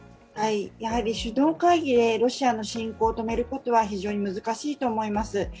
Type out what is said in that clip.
やはり首脳会議でロシアの侵攻を止めることは非常に難しいと思います。